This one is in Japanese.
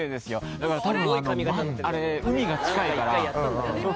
だからたぶん海が近いから。